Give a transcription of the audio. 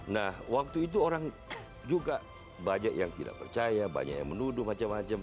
nah waktu itu orang juga banyak yang tidak percaya banyak yang menuduh macam macam